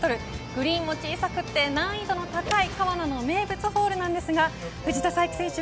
グリーンも小さくて難易度の高い川奈の名物ホールですが藤田さいき選手